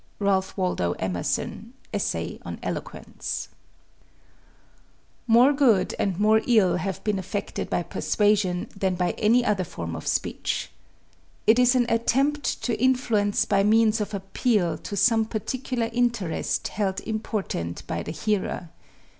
RALPH WALDO EMERSON, Essay on Eloquence. More good and more ill have been effected by persuasion than by any other form of speech. _It is an attempt to influence by means of appeal to some particular interest held important by the hearer.